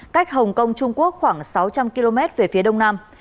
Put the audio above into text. cách hồng kông trung quốc khoảng sáu trăm linh km về phía đông nam